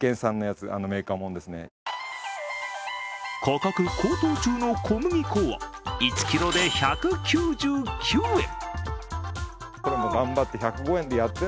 価格高騰中の小麦粉は１ｋｇで１９９円。